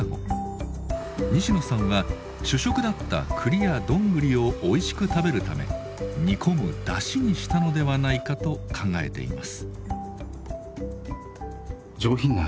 西野さんは主食だったクリやドングリをおいしく食べるため煮込む出汁にしたのではないかと考えています。